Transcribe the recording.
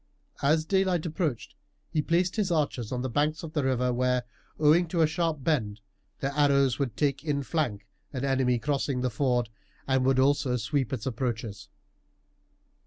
As daylight approached he placed his archers on the banks of the river where, owing to the sharp bend, their arrows would take in flank an enemy crossing the ford, and would also sweep its approaches.